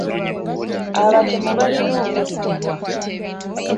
Abatemu balina okuttibwa.